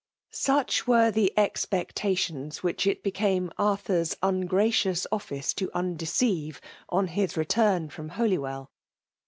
StJCH were the expectatioiiB' which it became Arthur's iingracious office to undeceii«> on his setim from Holywell.